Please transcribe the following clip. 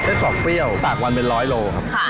ไส้กรอกเปรี้ยวปากวันเป็น๑๐๐กิโลกรัมครับ